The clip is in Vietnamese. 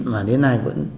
và đồng văn